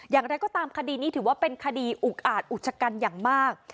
อย่างไรก็ตามคดีนี้ถือว่าเป็นคดีอุกอาจอุกชกันอย่างมาก